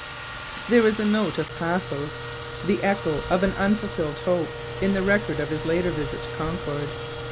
There is a note of pathos, the echo of an unfulfilled hope, in the record of his later visit to Concord.